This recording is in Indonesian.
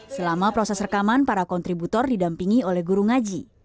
selama proses rekaman para kontributor didampingi oleh guru ngaji